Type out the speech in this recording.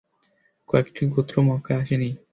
কয়েকটি গোত্র মক্কায় আসেনি।